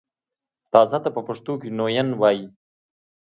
تازه ته په پښتو کښې نوين وايي